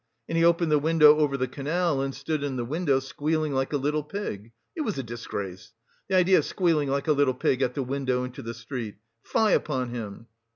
And he opened the window over the canal, and stood in the window, squealing like a little pig; it was a disgrace. The idea of squealing like a little pig at the window into the street! Fie upon him!